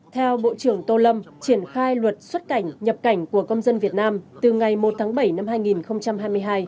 theo bộ trưởng tô lâm triển khai luật xuất cảnh nhập cảnh của công dân việt nam từ ngày một tháng bảy năm hai nghìn hai mươi hai